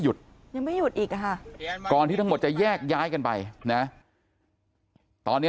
ยังไม่หยุดอีกค่ะก่อนที่ทั้งหมดจะแยกย้ายกันไปนะตอนนี้